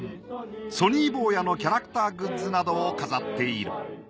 ソニー坊やのキャラクターグッズなどを飾っている。